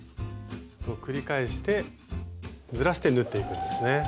繰り返してずらして縫っていくんですね。